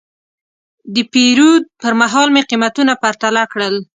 د پیرود پر مهال مې قیمتونه پرتله کړل.